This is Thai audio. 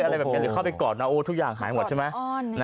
อะไรแบบนี้หรือเข้าไปก่อนนะโอ้ทุกอย่างหายหมดใช่ไหม